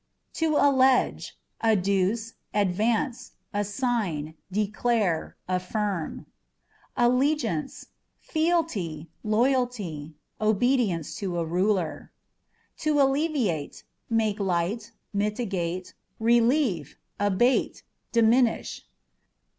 To Allege â€" adduce, advance, assign, declare, affirm. Allegiance â€" fealty, loyalty ; obedience to a ruler. To Alleviate â€" make light, mitigate, relieve, abate, diminish.